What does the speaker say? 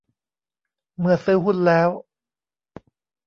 เมื่อซื้อหุ้นแล้ว